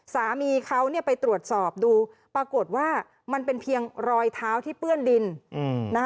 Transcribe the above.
สามีเขาไปตรวจสอบดูปรากฏว่ามันเป็นเพียงรอยเท้าที่เปื้อนดิน